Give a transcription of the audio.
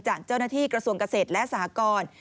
จากเจ้าหน้าที่กระทรวงเกษตรและสหกร